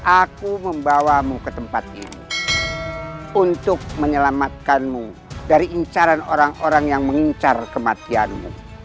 aku membawamu ke tempat ini untuk menyelamatkanmu dari incaran orang orang yang mengincar kematianmu